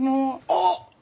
あっ！